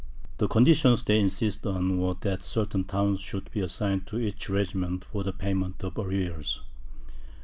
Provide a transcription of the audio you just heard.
The conditions they insisted on, were that certain towns should be assigned to each regiment for the payment of arrears.